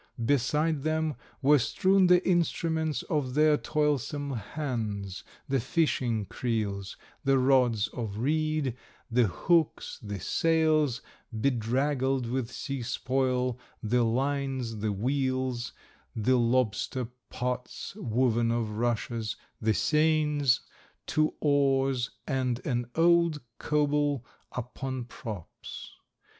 Beside them were strewn the instruments of their toilsome hands, the fishing creels, the rods of reed, the hooks, the sails bedraggled with sea spoil, the lines, the weels, the lobster pots woven of rushes, the seines, two oars, and an old coble upon props.